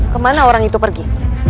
kemana orang itu pergi